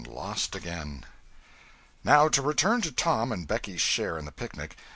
CHAPTER XXXI NOW to return to Tom and Becky's share in the picnic.